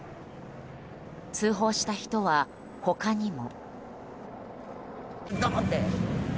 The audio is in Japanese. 通報した人は、他にも。